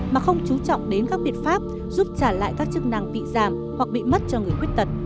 mà không chú trọng đến các biện pháp giúp trả lại các chức năng bị giảm hoặc bị mất cho người khuyết tật